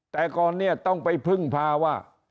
แต่ก่อนเนี่ยต้องไปพึ่งพาว่า